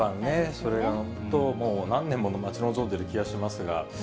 それは何年も待ち望んでいる気がしますが。